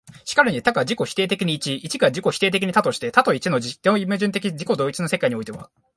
然るに多が自己否定的に一、一が自己否定的に多として、多と一との絶対矛盾的自己同一の世界においては、